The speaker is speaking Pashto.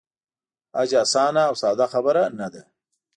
حج آسانه او ساده خبره نه ده.